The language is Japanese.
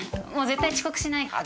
もう絶対遅刻しない。